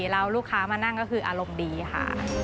แล้วลูกค้ามานั่งก็คืออารมณ์ดีค่ะ